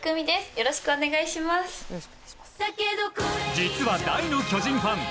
実は大の巨人ファン。